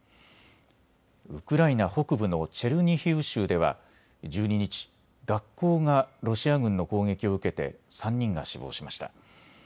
ウクライナ北部のチェルニヒウ州では１２日、学校がロシア軍の攻撃を受けて３人が死亡しました。